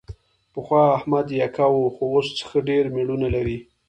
پخوا احمد یکه و، خو اوس ښه ډېر مېړونه لري.